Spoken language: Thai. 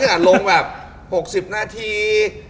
นี่อ่ะลงแบบ๖๐นาที